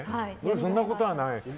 そんなことはない。